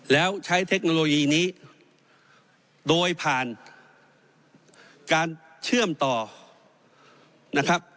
แล้วใช้เทคโนโลยีนี้โดยผ่านการเชื่อมต่อนะครับ